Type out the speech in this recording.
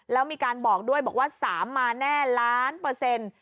แล้วมีการบอกด้วยบอกว่าสามมาแน่ล้านเปอร์เซ็นต์